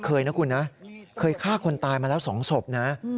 เคยนะคุณนะเคยฆ่าคนตายมาแล้ว๒ศพนะ